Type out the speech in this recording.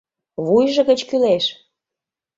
Вуйжо гыч кӱлеш!